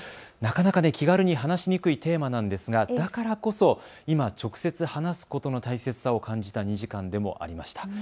なかなか気軽に話しにくいテーマなんですが、だからこそ今、直接話すことの大切さを感じた２時間でもありました。